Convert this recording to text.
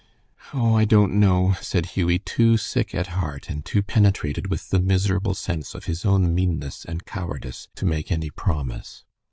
"Oh, I don't know," said Hughie, too sick at heart and too penetrated with the miserable sense of his own meanness and cowardice, to make any promise.